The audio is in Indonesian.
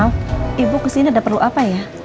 oh ibu kesini ada perlu apa ya